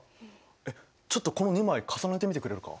えっちょっとこの２枚重ねてみてくれるか？